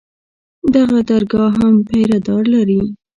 دغه درګاه هم پيره دار لري.